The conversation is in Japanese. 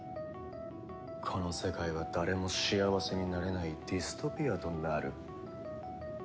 この世界は誰も幸せになれないディストピアとなる。